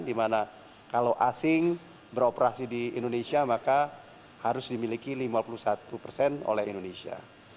dimana kalau asing beroperasi di indonesia maka harus dimiliki lima puluh satu persen oleh indonesia